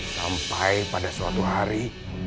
sampai pada suatu hari